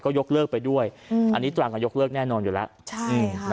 ยกเลิกไปด้วยอันนี้ตรังก็ยกเลิกแน่นอนอยู่แล้ว